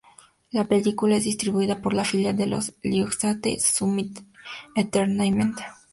La película es distribuida por la filial de Lionsgate Summit Entertainment.